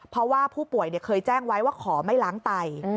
เพราะว่าผู้ป่วยเคยแจ้งไว้ว่าขอไม่ล้างไต